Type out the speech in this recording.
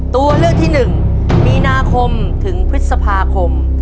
ตัวเลือกที่๑มีนาคมถึงพฤษภาคม